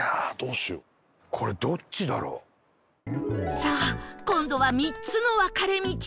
さあ今度は３つの分かれ道